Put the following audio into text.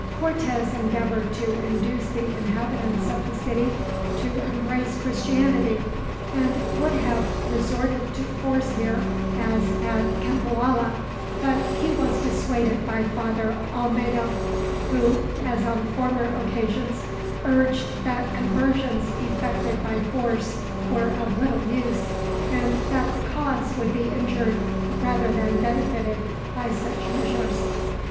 Cortez endeavored to induce the inhabitants of the city to embrace Christianity; and would have resorted to force here, as at Cempoalla, but he was dissuaded by Father Olmedo; who, as on former occasions, urged that conversions effected by force were of little use, and that the cause would be injured, rather than benefited by such measures.